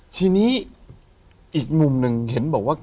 ทีนี้อีกมุมหนึ่งเห็นบอกว่า